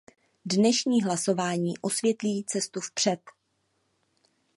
Dnešní hlasování osvětlí cestu vpřed.